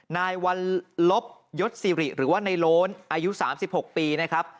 นายวัลลบยศสิริหรือว่าในโล้นอายุ๓๖ปีนะครับ